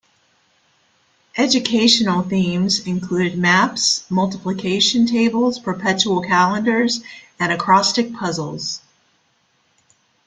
Educational themes included maps, multiplication tables, perpetual calendars, and acrostic puzzles.